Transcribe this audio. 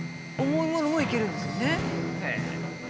重いものもいけるんですよね。